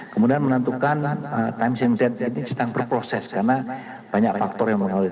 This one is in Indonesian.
kemudian menentukan time same date ini sedang berproses karena banyak faktor yang mengalami